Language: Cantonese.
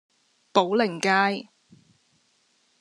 寶靈街